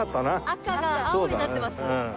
赤が青になってます。